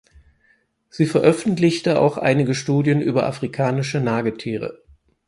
Sie veröffentlichte auch einige Studien über afrikanische Nagetiere.